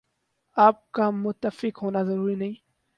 آپ کا متفق ہونا ضروری نہیں ۔